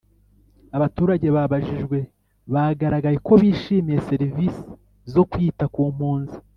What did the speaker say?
Abaturage babajijwe bagaragaje ko bishimiye serivisi zo kwita ku mpunzi